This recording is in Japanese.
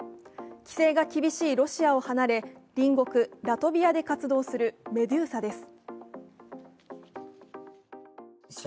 規制が厳しいロシアを離れ隣国ラトビアで活動するメドゥーサです。